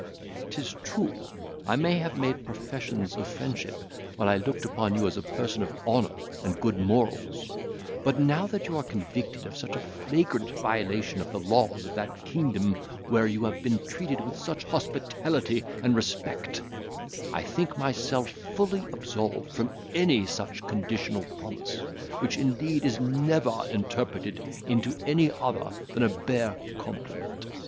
'Tis true, I may have made professions of friendship, while I looked upon you as a person of honour and good morals; but now that you are convicted of such a flagrant violation of the laws of that kingdom where you have been treated with such hospitality and respect, I think myself fully absolved from any such conditional promise, which indeed is never interpreted into any other than a bare compliment.